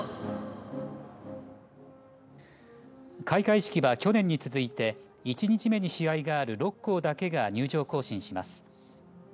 開会式は去年に続いて１日目に試合がある６校だけが入場行進します。